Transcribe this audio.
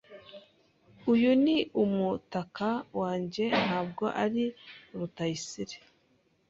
Uyu ni umutaka wanjye, ntabwo ari Rutayisire.